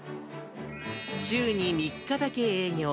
週に３日だけ営業。